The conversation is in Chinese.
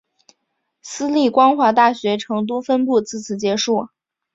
私立光华大学成都分部自此结束。